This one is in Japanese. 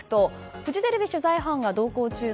フジテレビ取材班が同行中の